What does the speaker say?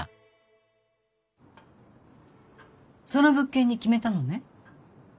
その物件に決めたのね。